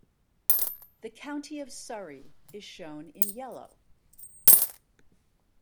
The county of Surrey is shown in yellow.